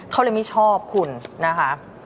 เขาเลยไม่ชอบคุณนะคะ